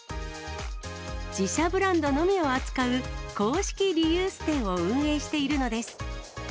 自社ブランドのみを扱う公式リユース店を運営しているのです。